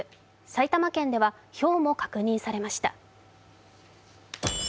埼玉県では、ひょうも確認されました。